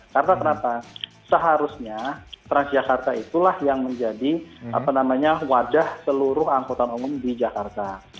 karena kenapa seharusnya transjakarta itulah yang menjadi wadah seluruh angkutan umum di jakarta